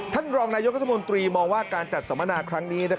พนันตกรรมมองว่าการจัดสมนาครั้งนี้